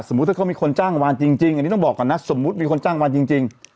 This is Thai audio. ถ้าเขามีคนจ้างวานจริงอันนี้ต้องบอกก่อนนะสมมุติมีคนจ้างวันจริง